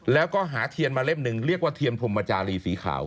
แล้วก็หาเทียนมาเล่มหนึ่งเรียกว่าเทียนพรมจารีสีขาว